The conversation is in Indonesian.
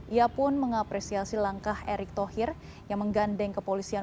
ia pun mengapresiasi langkah erick thohir yang menggandeng kepolisian